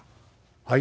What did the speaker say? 「はい？」。